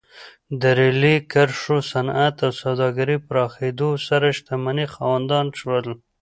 د ریلي کرښو، صنعت او سوداګرۍ پراخېدو سره شتمنۍ خاوندان شول.